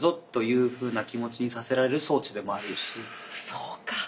そうか。